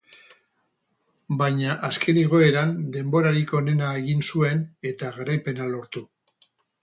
Baina azken igoeran denborarik onena egin zuen, eta garaipena lortu.